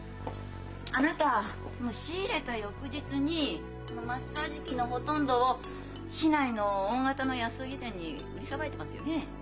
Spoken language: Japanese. その仕入れた翌日にそのマッサージ機のほとんどを市内の大型の安売り店に売りさばいてますよねえ？